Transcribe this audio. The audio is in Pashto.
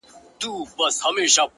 • په هر پوځ کي برتۍ سوي یو پلټن یو ,